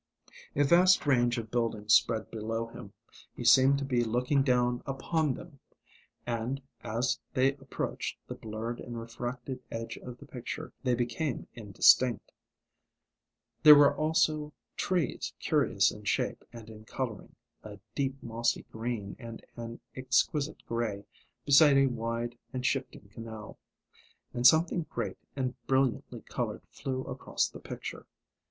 A vast range of buildings spread below him; he seemed to be looking down upon them; and, as they approached the blurred and refracted edge of the picture, they became indistinct. There were also trees curious in shape, and in colouring, a deep mossy green and an exquisite grey, beside a wide and shining canal. And something great and brilliantly coloured flew across the picture.